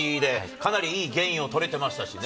かなりいいゲインを取れていましたしね。